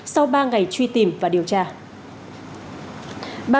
sau ba ngày truy tìm và điều tra